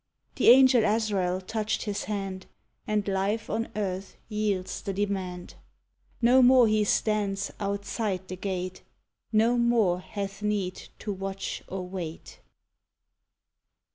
The Angel Azrael touched his hand, And life on earth yields the demand; No more he stands "outside the gate," No more hath need to watch or wait!